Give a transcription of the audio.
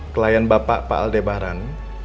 klien bapak pak aldebaran